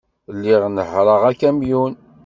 Lliɣ nehhṛeɣ akamyun.